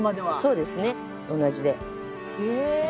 そうですね同じで。